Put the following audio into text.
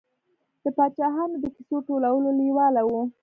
د پاچاهانو د کیسو ټولولو لېواله و.